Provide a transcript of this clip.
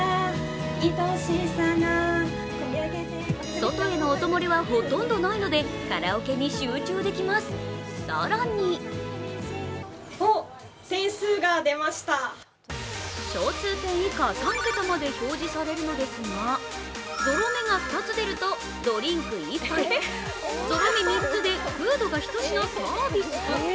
外への音漏れはほとんどないのでカラオケに集中できます、さらに、小数点以下３桁まで表示されるのですがゾロ目が２つ出るとドリンク１杯、ゾロ目３つでフードが１品サービス。